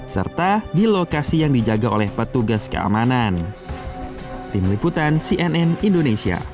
serta di lokasi yang dijaga oleh petugas keamanan